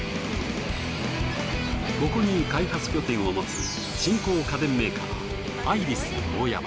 ここに開発拠点を持つ新興家電メーカー。